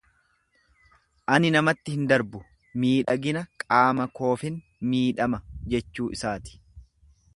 Ani namatti hin darbu, miidhagina qaama koofin miidhama jechuu isaati.